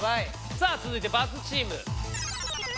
さあ続いて×チーム。